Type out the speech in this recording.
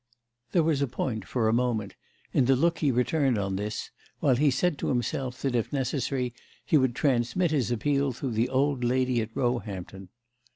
There was a point, for a moment, in the look he returned on this, while he said to himself that if necessary he would transmit his appeal through the old lady at Roehampton.